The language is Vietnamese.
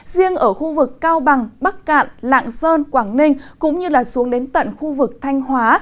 riêng ở khu vực cao bằng bắc cạn lạng sơn quảng ninh cũng như xuống đến tận khu vực thanh hóa